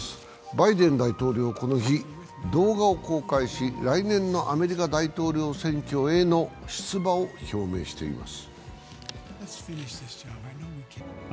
バイデン大統領、この日、動画を公開し、来年のアメリカ大統領選挙への出馬を表明しています。